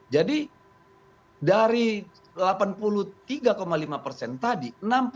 jadi dari delapan puluh tiga lima persen tadi